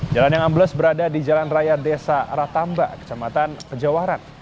jalan yang ambles berada di jalan raya desa ratamba kecamatan kejawaran